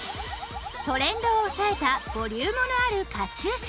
トレンドをおさえたボリュームのあるカチューシャ。